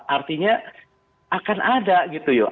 artinya akan ada gitu yuk